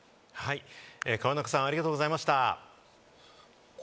河中さん、ありがとうございました。